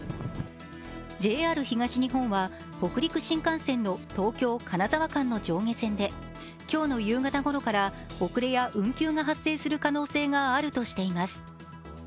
ＪＲ東日本は北陸新幹線の東京ー金沢間の上下線で今日の夕方ごろから遅れや運休が発生するおそれがあるとしています。